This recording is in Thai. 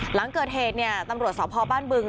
หลังเกิดเหตุเนี่ยตำรวจสพบ้านบึง